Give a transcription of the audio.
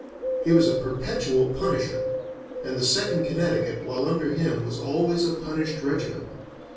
He was a Perpetual Punisher, and the Second Connecticut while under him was always a punished regiment.